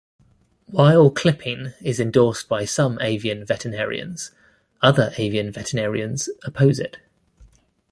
While clipping is endorsed by some avian veterinarians, other avian veterinarians oppose it.